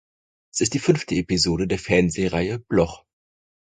Es ist die fünfte Episode der Fernsehreihe "Bloch".